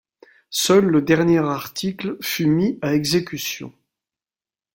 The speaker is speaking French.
Seul le dernier article fut mis à exécution.